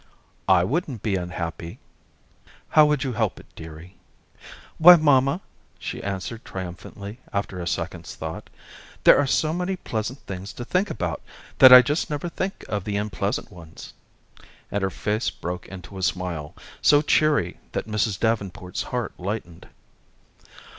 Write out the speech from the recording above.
"I wouldn't be unhappy." "How would you help it, dearie?" "Why mamma," she answered triumphantly after a second's thought, "there are so many pleasant things to think about that I just never think of the unpleasant ones," and her face broke into a smile, so cheery that Mrs. Davenport's heart lightened.